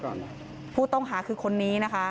โชว์บ้านในพื้นที่เขารู้สึกยังไงกับเรื่องที่เกิดขึ้น